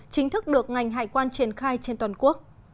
chính thức được ngành hải quan triển khai trên toàn quốc